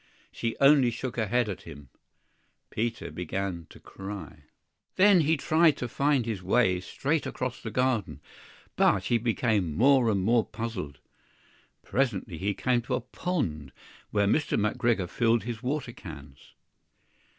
She only shook her head at him. Peter began to cry. THEN he tried to find his way straight across the garden, but he became more and more puzzled. Presently, he came to a pond where Mr. McGregor filled his water cans.